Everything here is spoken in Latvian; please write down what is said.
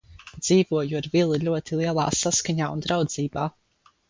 Dzīvoju ar Vili ļoti lielā saskaņā un draudzībā.